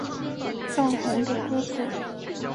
邓弘的哥哥邓骘等人仍辞不受。